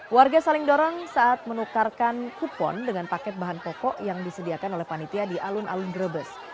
warga saling dorong saat menukarkan kupon dengan paket bahan pokok yang disediakan oleh panitia di alun alun brebes